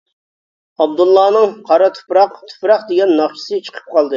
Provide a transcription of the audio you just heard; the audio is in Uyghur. ئابدۇللانىڭ «قارا تۇپراق» تۇپراق دېگەن ناخشىسى چىقىپ قالدى.